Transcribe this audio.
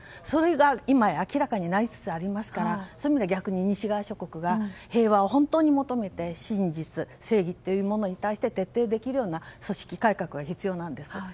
それが今や明らかになりつつありますからそういう意味では西側諸国では平和を本当に求めて真実、正義というものに対して徹底できるような組織改革が必要なんです。